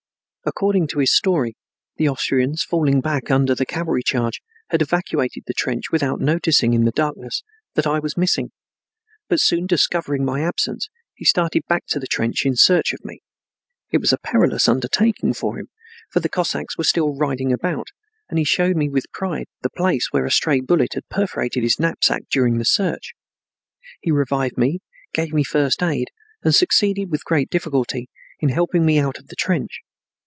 According to his story the Austrians, falling back under the cavalry charge, had evacuated the trench without noticing, in the darkness, that I was missing. But soon discovering my absence he started back to the trench in search of me. It was a perilous undertaking for him, for the Cossacks were still riding about, and he showed me with pride the place where a stray bullet had perforated his knapsack during the search. He revived me, gave me first aid, and succeeded with great difficulty in helping me out of the trench.